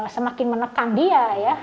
semakin menekan dia ya